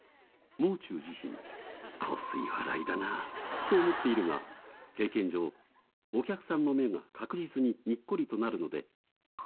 ・もう中自身コスい笑いだなぁと思っているが経験上お客さんの目が確実ににっこりとなるので。